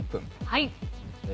はい。